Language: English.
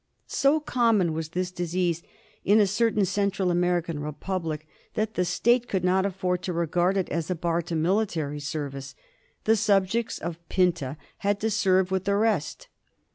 So common was this disease in a certain Central American republic that the State could not afford to regard it as a bar to military service; the subjects of Pinta had to serve with the rest.